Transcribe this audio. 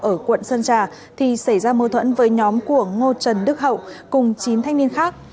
ở quận sơn trà thì xảy ra mâu thuẫn với nhóm của ngô trần đức hậu cùng chín thanh niên khác